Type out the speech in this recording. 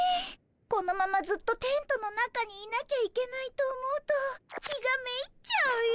このままずっとテントの中にいなきゃいけないと思うと気がめいっちゃうよ。